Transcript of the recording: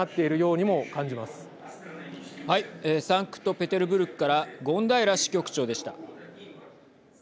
サンクトペテルブルクから権平支局長でした。